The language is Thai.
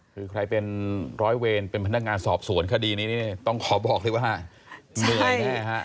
คือใครเป็นร้อยเวรเป็นพนักงานสอบสวนคดีนี้นี่ต้องขอบอกเลยว่าเหนื่อยแน่ฮะ